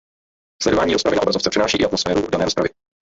Sledování rozpravy na obrazovce přenáší i atmosféru dané rozpravy.